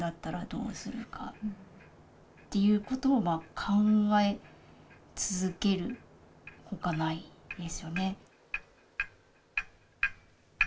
っていうことを考え続けるほかないですよね。